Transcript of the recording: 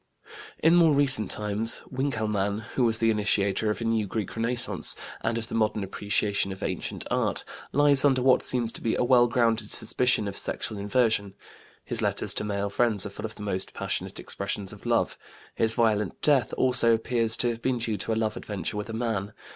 In more recent times Winkelmann, who was the initiator of a new Greek Renaissance and of the modern appreciation of ancient art, lies under what seems to be a well grounded suspicion of sexual inversion. His letters to male friends are full of the most passionate expressions of love. His violent death also appears to have been due to a love adventure with a man.